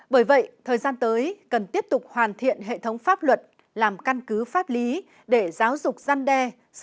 bởi vậy thời gian tới cần tiếp tục hoàn thiện hệ thống pháp luật làm căn cứ pháp lý để giáo dục gian đe